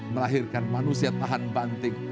melahirkan manusia tahan banting